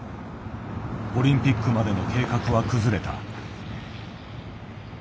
オリンピックまでの計画は崩れた。